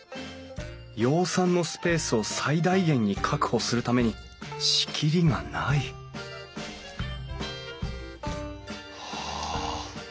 養蚕のスペースを最大限に確保するために仕切りがないうわ。